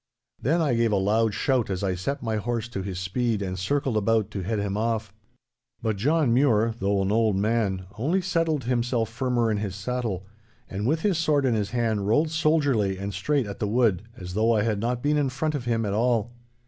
Then I gave a loud shout as I set my horse to his speed and circled about to head him off. But John Mure, though an old man, only settled himself firmer in his saddle, and with his sword in his hand rode soldierly and straight at the wood, as though I had not been in front of him at all.